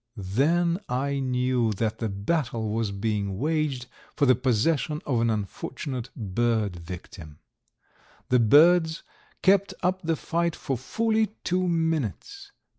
Then I knew that the battle was being waged for the possession of an unfortunate bird victim. The birds kept up the fight for fully two minutes.